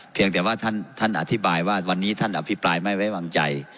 เพียงแต่ว่าท่านอธิบายว่าวันนี้ท่านอภิปรายไม่ไว้วางใจ